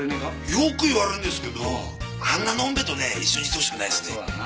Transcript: よく言われるんですけどあんな飲んべえとね一緒にしてほしくないですね。